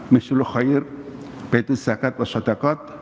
mesul khoir baitul zakat wa shadakot